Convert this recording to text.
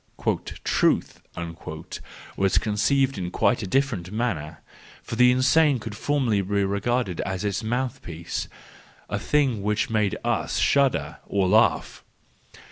" Truth " was conceived in quite a different manner, for the insane could formerly be regarded as its mouthpiece—a thing which makes ^shudder, or laugh.